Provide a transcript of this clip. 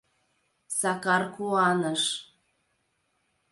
Сакар куаныш.